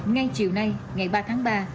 ngay chiều nay ngày ba tháng ba